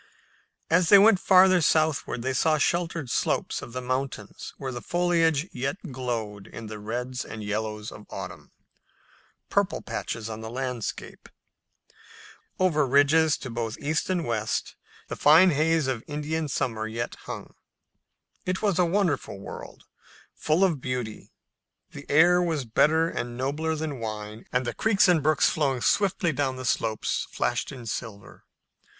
As they went farther southward they saw sheltered slopes of the mountains where the foliage yet glowed in the reds and yellows of autumn, "purple patches" on the landscape. Over ridges to both east and west the fine haze of Indian summer yet hung. It was a wonderful world, full of beauty. The air was better and nobler than wine, and the creeks and brooks flowing swiftly down the slopes flashed in silver.